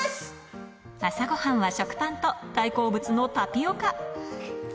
朝ごはんは食パンと、大好物のタピオカ。